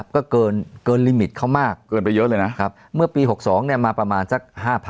ก็เกินลิมิตเขามากเกินไปเยอะเลยนะครับเมื่อปี๖๒มาประมาณสัก๕๐๐๐